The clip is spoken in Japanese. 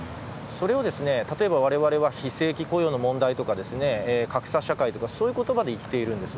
それをわれわれは非正規雇用の問題とか格差社会とか、そういう言葉で言っているんです。